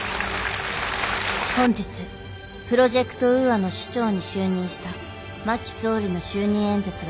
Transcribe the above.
本日プロジェクト・ウーアの首長に就任した真木総理の就任演説が行われた。